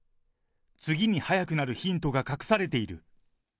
次に速くなるヒントが隠されている。